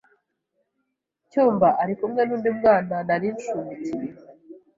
cyumba ari kumwe n’undi mwana nari nshumbikiye